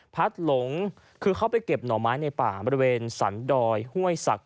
หลงคือเข้าไปเก็บหน่อไม้ในป่าบริเวณสันดอยห้วยศักดิ